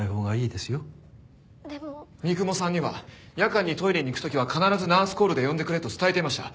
三雲さんには夜間にトイレに行く時は必ずナースコールで呼んでくれと伝えていました。